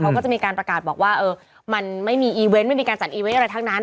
เขาก็จะมีการประกาศบอกว่ามันไม่มีอีเวนต์ไม่มีการจัดอีเวนต์อะไรทั้งนั้น